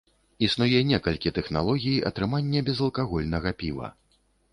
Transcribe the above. Існуе некалькі тэхналогій атрымання безалкагольнага піва.